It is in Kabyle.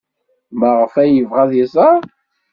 Maɣef ay yebɣa ad iẓer?